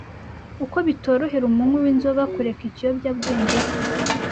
uko bitorohera umunywi w’inzoga kureka ikiyobyabwenge cye;